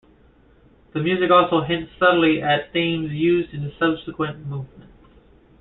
The music also hints subtly at themes used in the subsequent movements.